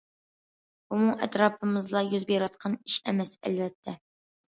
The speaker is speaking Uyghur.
بۇمۇ ئەتراپىمىزدىلا يۈز بېرىۋاتقان ئىش ئەمەس، ئەلۋەتتە.